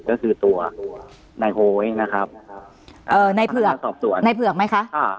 ก็คือตัวนายโฮ้ยนะครับเอ่อในเผือกในเผือกไหมคะ